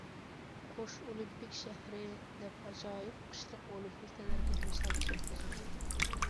« قوش ئولىمپىك شەھىرى» دە ئاجايىپ قىشلىق ئولىمپىك تەنھەرىكەت مۇسابىقىسى ئۆتكۈزۈلدى.